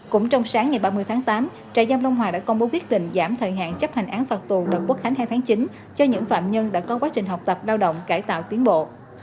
cũng trong sáng ngày ba mươi tháng tám trại giam long hòa đã công bố quyết định giảm thời hạn chấp hành án phạt tù đợt quốc khánh hai tháng chín cho những phạm nhân đã có quá trình học tập lao động cải tạo tiến bộ